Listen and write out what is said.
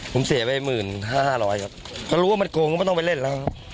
ผมเสียไปหมื่นห้าห้าร้อยครับก็รู้ว่ามันโกงก็ไม่ต้องไปเล่นแล้วครับ